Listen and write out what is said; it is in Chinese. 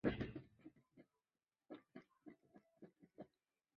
库页堇菜为堇菜科堇菜属的植物。